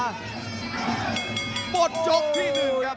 หมดยกที่หนึ่งครับ